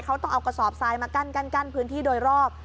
เขาต้องเอากระสอบทรายมากั้นพื้นที่โดยรอบ